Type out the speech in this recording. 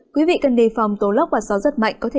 quý vị cần đề phòng tố lốc và gió rất mạnh